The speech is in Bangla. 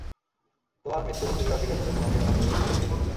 তোমার মৃত্যু মৃত্যুকেই অস্বীকার করে তোমাকেই অমর করে রেখেছে ইতিহাসের পাতায়।